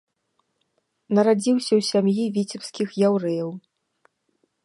Нарадзіўся ў сям'і віцебскіх яўрэяў.